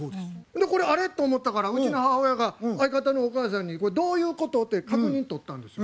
これ「あれ？」と思ったからうちの母親が相方のお母さんに「これどういうこと？」って確認取ったんですよ。